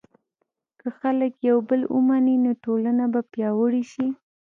که خلک یو بل ومني، نو ټولنه به پیاوړې شي.